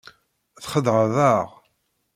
Txedεeḍ-aɣ.